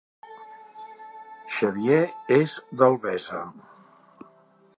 Xavier és d'Albesa